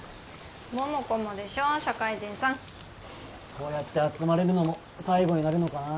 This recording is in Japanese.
こうやって集まれるのも最後になるのかな。